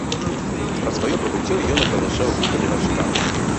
Пра сваё прыбыццё ён апавяшчаў гукамі ражка.